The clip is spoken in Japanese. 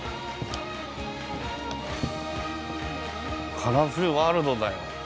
カラフルワールドだよ。